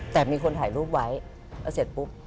แต่มีคนถ่ายรูปไว้แล้วเสร็จปุ๊บ